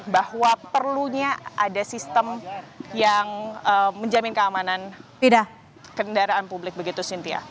bahwa perlunya ada sistem yang menjamin keamanan kendaraan publik begitu cynthia